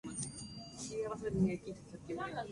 El autoritarismo mexicano logró la perfección.